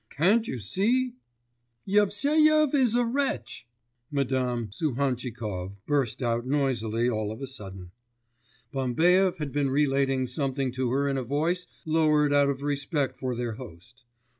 'Can't you see ' 'Yevseyev is a wretch!' Madame Suhantchikov burst out noisily all of a sudden. Bambaev had been relating something to her in a voice lowered out of respect for their host.